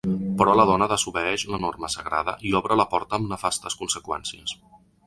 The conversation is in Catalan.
Però la dona desobeeix la norma sagrada i obre la porta amb nefastes conseqüències.